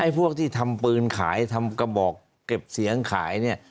พวกที่ทำปืนขายทำกระบอกเก็บเสียงขายเนี่ย